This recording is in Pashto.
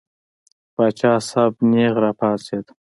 پاچا صاحب نېغ را پاڅېد.